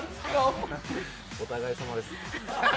お互いさまです。